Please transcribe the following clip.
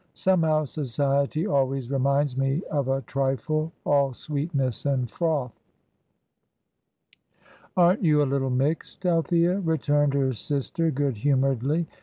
Somehow society always reminds me of a trifle, all sweetness and froth." "Aren't you a little mixed, Althea?" returned her sister, good humouredly.